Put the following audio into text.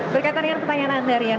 berkaitan dengan pertanyaan anda rian